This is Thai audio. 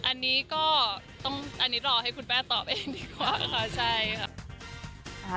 อันนี้ก็ต้องอันนี้รอให้คุณป้าตอบเองดีกว่าค่ะใช่ค่ะ